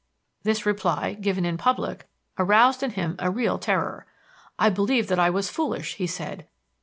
This reply, given in public, aroused in him a real terror. 'I believe that I was foolish,' he said.